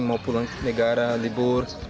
mau pulang negara libur